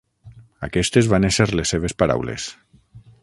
Aquestes van ésser les seves paraules.